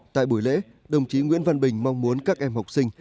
tại buổi lễ đồng chí nguyễn văn bình mong muốn các em học sinh